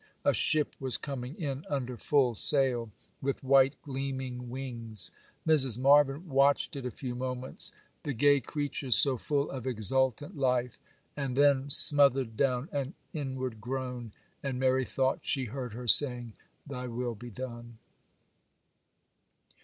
A ship was coming in under full sail, with white gleaming wings. Mrs. Marvyn watched it a few moments,—the gay creature, so full of exultant life,—and then smothered down an inward groan, and Mary thought she heard her saying, 'Thy will be done!